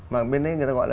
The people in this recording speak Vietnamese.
mà bên đấy người ta gọi là